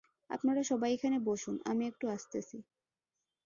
আপনারা সবাই এখানে বসুন, আমি একটু আসতেছি।